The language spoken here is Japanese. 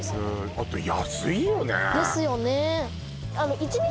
あと安いよねですよね